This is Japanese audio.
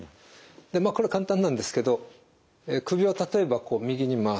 でまあこれ簡単なんですけど首を例えばこう右に回すと。